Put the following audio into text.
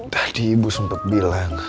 tadi ibu sempet bilang